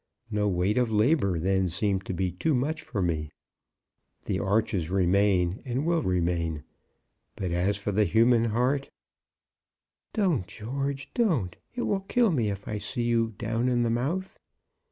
No weight of labour then seemed to be too much for me. The arches remain and will remain; but as for the human heart " "Don't, George, don't. It will kill me if I see you down in the mouth."